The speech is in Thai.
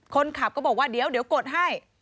คนขับก็บอกว่าเดี๋ยวกดให้